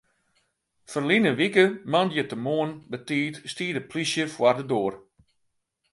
Ferline wike moandeitemoarn betiid stie de plysje foar de doar.